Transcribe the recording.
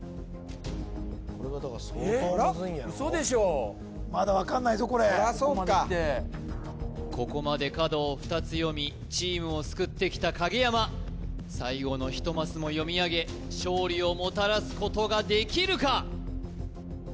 ・これは相当ムズいんやろうそでしょまだ分かんないぞこれそりゃそうかここまで角を２つ読みチームを救ってきた影山最後の１マスも読み上げ勝利をもたらすことができるか？